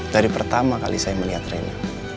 dari pertama kali saya melihat rena